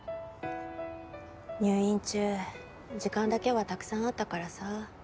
入院中時間だけはたくさんあったからさ